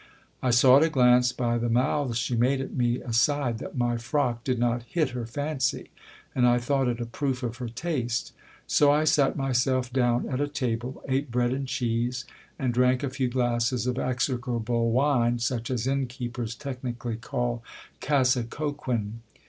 I saw at a glance, by the mouths she made at me aside, that my frock did not hit her fancy ; and I thought it a proof of her taste. So I sat myself down at a table ; ate bread and cheese, and drank a few glasses of exe crable wine, such as innkeepers technically call cassecoquin.